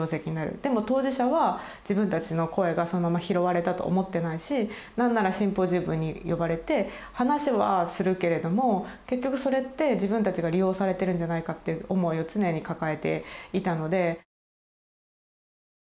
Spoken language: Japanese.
でも当事者は自分たちの声がそのまま拾われたと思ってないし何ならシンポジウムに呼ばれて話はするけれども結局それって自分たちが利用されてるんじゃないかって思いを常に抱えていたので。